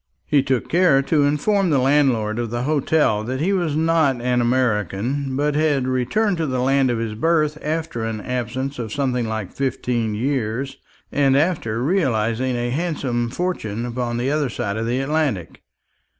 He took care to inform the landlord of the hotel that he was not an American, but had returned to the land of his birth after an absence of something like fifteen years, and after realizing a handsome fortune upon the other side of the Atlantic.